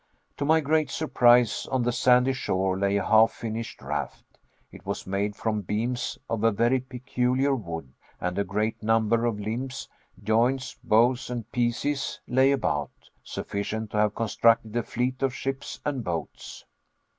To my great surprise, on the sandy shore lay a half finished raft. It was made from beams of a very peculiar wood, and a great number of limbs, joints, boughs, and pieces lay about, sufficient to have constructed a fleet of ships and boats.